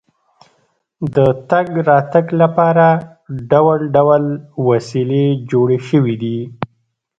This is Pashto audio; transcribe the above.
د تګ راتګ لپاره ډول ډول وسیلې جوړې شوې دي.